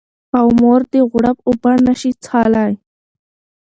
او مور دې غوړپ اوبه نه شي څښلی